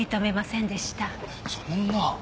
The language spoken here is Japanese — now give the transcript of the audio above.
そんな！